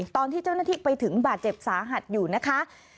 ตอนที่เจ้าหน้าที่ไปถึงบาดเจ็บสาหัสอยู่นะคะ